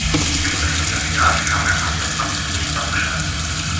Im Referendariat kam er an das Amtsgericht Wattenscheid.